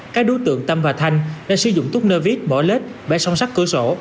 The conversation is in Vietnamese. các đối tượng tâm và thanh đã sử dụng túp nơ vít bỏ lết bẻ song sắt cửa sổ